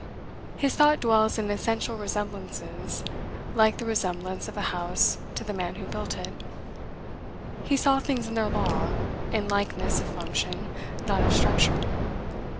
His thought dwells in essential resemblances, like the resemblance of a house to the man who built it. He saw things in their law, in likeness of function, not of structure.